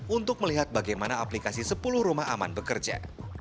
untuk melihat bagaimana aplikasi sepuluh rumah aman bekerja